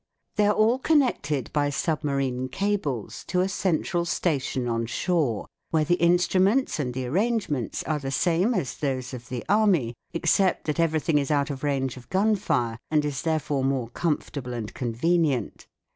91. They are all connected by submarine cables to a central station on shore, where the instruments and the arrangements are the same as those of the Army, except that everything is out of range of gun fire and is therefore more comfortable and convenient.